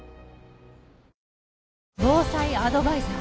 防災アドバイザー。